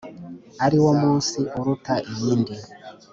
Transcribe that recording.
ariwo mu nsi uruta iyindi,